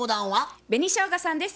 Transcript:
紅しょうがさんです。